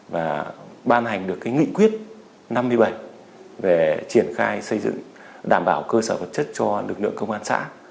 và ban hành được cái nghị quyết năm mươi bảy về triển khai xây dựng đảm bảo cơ sở vật chất cho lực lượng công an xã